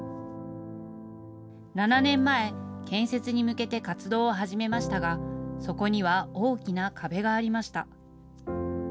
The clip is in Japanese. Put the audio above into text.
７年前、建設に向けて活動を始めましたが、そこには大きな壁がありました。